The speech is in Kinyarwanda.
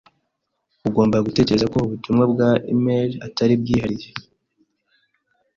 Ugomba gutekereza ko ubutumwa bwa imeri atari bwihariye.